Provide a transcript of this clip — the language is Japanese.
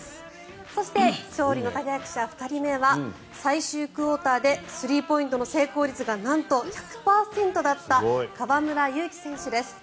そして勝利の立役者２人目は最終クオーターでスリーポイントの成功率がなんと１００％だった河村勇輝選手です。